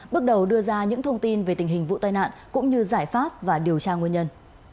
bước đầu đưa ra những thông tin về tình hình vụ tai nạn cũng như giải pháp và điều tra nguyên nhân